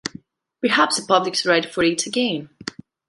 Perhaps the public is ready for it again.